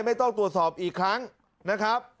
ไม่ต้องตรวจสอบอีกครั้งนะครับ